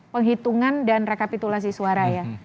penghitungan dan rekapitulasi suara ya